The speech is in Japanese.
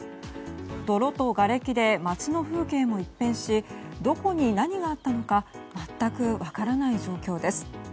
泥とがれきで街の風景も一変しどこに何があったのか全く分からない状況です。